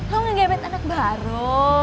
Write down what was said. lo ngegebet anak baru